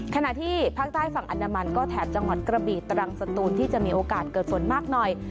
ขณะที่ภาคใต้ฝั่งอนามันก็แถบจังหวัดกระบีตรังสตูนที่จะมีโอกาสเกิดฝนมากหน่อย